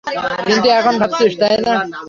কিন্তু এখন ভাবছিস, তাই না?